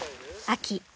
［秋。